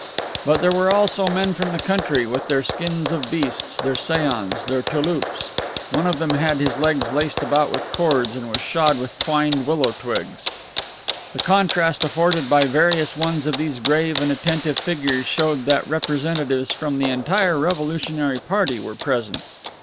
But there were also men from the country, with their skins of beasts, their sayons, their touloupes. One of them had his legs laced about with cords and was shod with twined willow twigs. The contrast afforded by various ones of these grave and attentive figures showed that representatives from the entire revolutionary party were present.